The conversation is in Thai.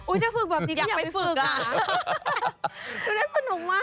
อุ๊ยถ้าฝึกแบบนี้ก็อยากไปฝึกอ่ะดูแล้วสนุกมากฝึกต่อ